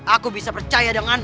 aku bisa percaya denganmu